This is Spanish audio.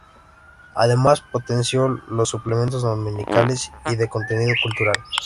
Además potenció los suplementos dominicales y de contenido cultural.